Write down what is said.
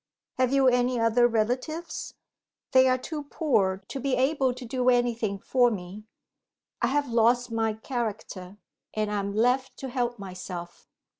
"Have you any other relatives?" "They are too poor to be able to do anything for me. I have lost my character and I am left to help myself."